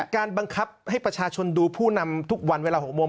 การบังคับให้ประชาชนดูผู้นำทุกวันเวลา๖โมง